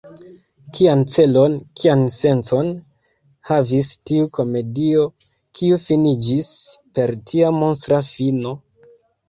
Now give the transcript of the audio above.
Kian celon, kian sencon havis tiu komedio, kiu finiĝis per tia monstra fino?